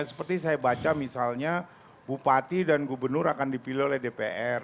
seperti saya baca misalnya bupati dan gubernur akan dipilih oleh dpr